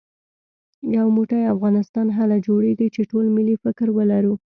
يو موټی افغانستان هله جوړېږي چې ټول ملي فکر ولرو